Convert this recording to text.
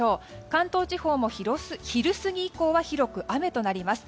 関東地方も昼過ぎ以降は広く雨となります。